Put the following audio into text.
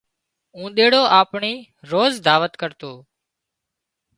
اونۮيڙو آپڻي روز دعوت ڪرتو